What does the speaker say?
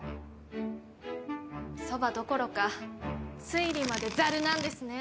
そばどころか、推理までザルなんですね。